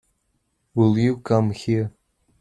Will you come here?